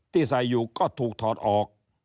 ที่ใส่อยู่ก็ถูกถอดออก